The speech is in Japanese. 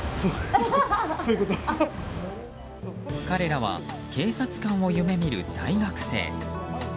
彼らは警察官を夢見る大学生。